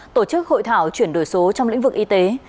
tổ chức hội thảo chuyển đổi số trong lĩnh vực y tế